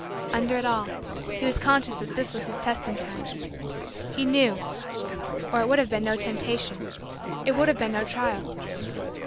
Under it all, he was conscious that this was his testing time. He knew or it would have been no Temptation it would have been no trial.